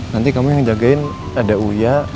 nanti kamu yang jagain ada uya